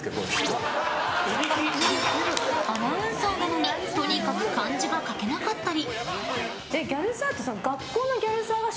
アナウンサーなのにとにかく漢字が書けなかったり。